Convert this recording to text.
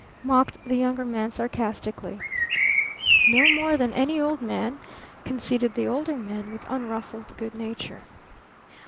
mocked the Younger Man sarcastically. "No more than any old man," conceded the Older Man with unruffled good nature.